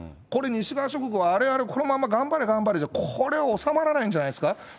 これ、西側諸国はあれあれ、このまま頑張れ頑張れじゃ、これは収まらないんじゃないですか。